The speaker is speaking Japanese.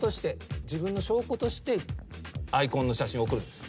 自分の証拠としてアイコンの写真を送るんです。